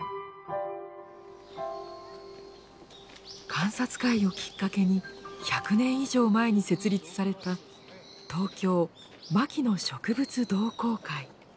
観察会をきっかけに１００年以上前に設立された東京牧野植物同好会。